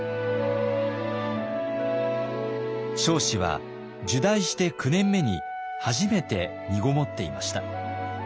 彰子は入内して９年目に初めてみごもっていました。